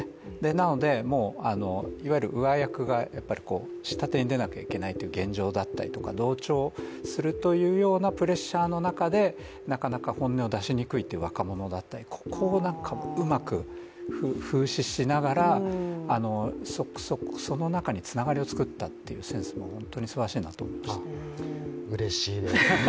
なので、いわゆる上役が下手に出なきゃいけない現状だったり同調するというようなプレッシャーの中でなかなか本音を出しにくいという若者だったりここをうまく風刺しながら、その中でつながりを作ったセンスも本当にすばらしいなと思います。